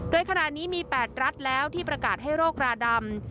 โดยขณะนี้มี๘รัฐแล้วที่ประกาศให้โรคราดำ